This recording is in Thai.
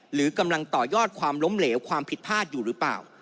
หรือกำลังต่อยอดความล้มเหลวความผิดพลาดอยู่หรือเปล่า